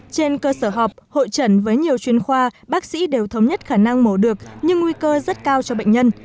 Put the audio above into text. trên cơ sở họp hội trần với nhiều chuyên khoa bác sĩ đều thống nhất khả năng mổ được nhưng nguy cơ rất cao cho bệnh nhân